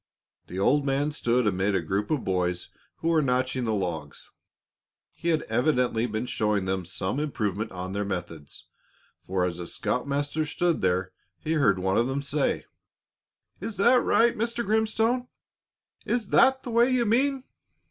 The old man stood amid a group of boys who were notching the logs. He had evidently been showing them some improvement on their methods, for as the scoutmaster stood there, he heard one of them say: "Is that right, Mr. Grimstone? Is that the way you mean?"